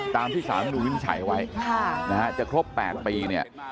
ตามที่สามหนูวินไฉยไว้นะฮะจะครบ๘ปีเนี่ย